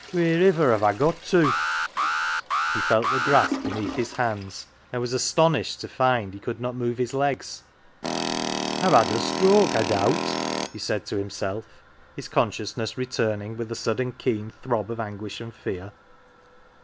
" Wheer iver have I got to ?" He felt the grass beneath his hands, and was aston ished to find he could not move his legs. " IVe had a stroke, I doubt !" he said to himself, his consciousness returning with a sudden keen throb of anguish and fear.